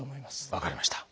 分かりました。